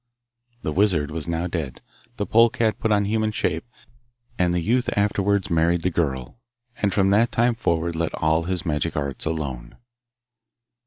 The wizard was now dead, the pole cat put on human shape, and the youth afterwards married the girl, and from that time forward let all his magic arts alone.